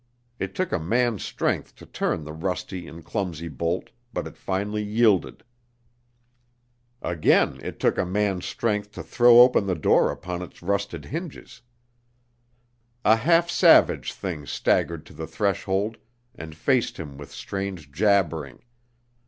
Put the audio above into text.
It took a man's strength to turn the rusty and clumsy bolt, but it finally yielded. Again it took a man's strength to throw open the door upon its rusted hinges. A half savage thing staggered to the threshold and faced him with strange jabbering.